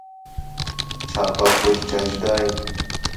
چَھا تَؤک کُڄ چاہیجدا ہے؟